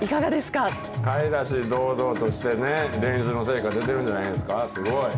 かわいらしい、堂々としてね、練習の成果、出てるんじゃないですか。